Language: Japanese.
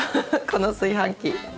この炊飯器。